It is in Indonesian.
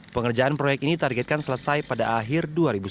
pengerjaan proyek ini targetkan selesai pada akhir dua ribu sembilan belas